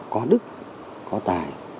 có đức có tài